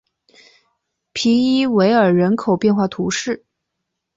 皮伊韦尔人口变化图示